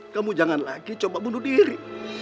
kamu jangan lagi coba bunuh diri